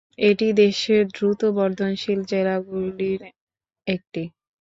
এটি দেশের দ্রুত বর্ধনশীল জেলাগুলির একটি।